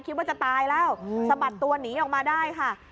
คิดว่าจะตายแล้วสะบัดตัวหนีออกมาได้ค่ะ